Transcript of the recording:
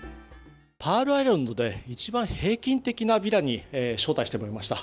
パールアイランドで一番平均的なヴィラに招待してもらいました。